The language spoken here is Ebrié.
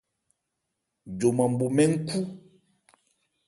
Joman bho mɛ́n nkhú.